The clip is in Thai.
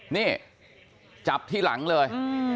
นี่จับที่หลังเลย